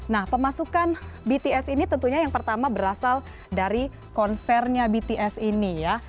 nah pemasukan bts ini tentunya yang pertama berasal dari konsernya bts ini ya